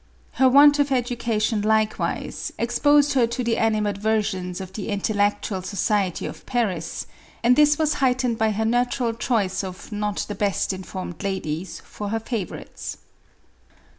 Her want of education likewise exposed her to the animadversions of the intellectual society of Paris, and this was heightened by her natu ral choice of not the best informed ladies for her favor 460 MARIE ANTOINETTE. ites.